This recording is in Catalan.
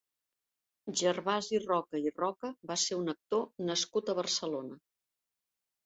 Gervasi Roca i Roca va ser un actor nascut a Barcelona.